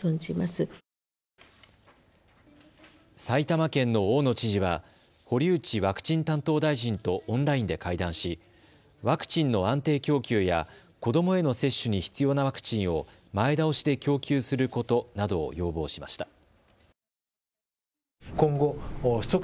埼玉県の大野知事は堀内ワクチン担当大臣とオンラインで会談しワクチンの安定供給や子どもへの接種に必要なワクチンを前倒しで供給することなどを要望しました。